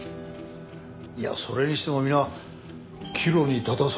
いやそれにしても皆岐路に立たされてるんだな。